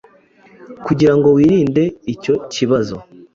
kugira ngo wirinde icyo kibazo